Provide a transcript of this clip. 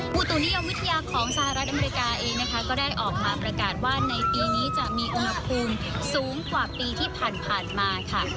อุตุนิยมวิทยาของสหรัฐอเมริกาเองนะคะก็ได้ออกมาประกาศว่าในปีนี้จะมีอุณหภูมิสูงกว่าปีที่ผ่านมาค่ะ